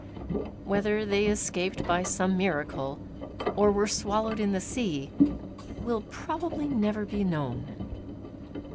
Whether they escaped by some miracle, or were swallowed in the sea, will probably never be known.